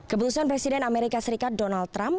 keputusan presiden amerika serikat donald trump